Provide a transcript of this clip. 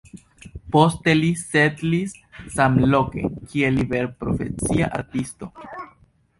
Poste li setlis samloke kiel liberprofesia artisto.